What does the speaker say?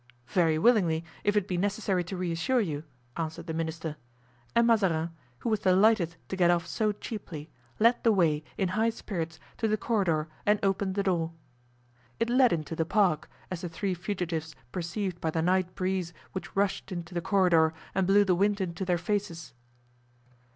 "Very willingly, if it be necessary to reassure you," answered the minister, and Mazarin, who was delighted to get off so cheaply, led the way, in high spirits, to the corridor and opened the door. It led into the park, as the three fugitives perceived by the night breeze which rushed into the corridor and blew the wind into their faces.